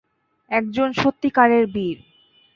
একজন সত্যিকারের বীর।